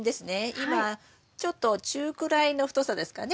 今ちょっと中くらいの太さですかね。